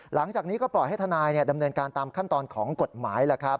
หลังจากนี้ก็ปล่อยให้ทนายดำเนินการตามขั้นตอนของกฎหมาย